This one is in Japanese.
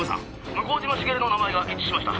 「向島茂の名前が一致しました。